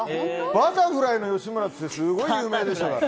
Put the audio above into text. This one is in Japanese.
バタフライの吉村ってすごい有名でしたから。